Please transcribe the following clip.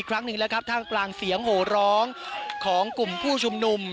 ครั้งหนึ่งแล้วครับท่ามกลางเสียงโหร้องของกลุ่มผู้ชุมนุม